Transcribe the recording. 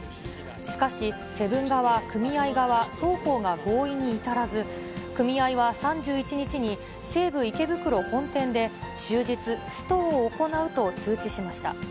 しかし、セブン側、組合側、双方が合意に至らず、組合は、３１日に、西武池袋本店で、終日ストを行うと通知しました。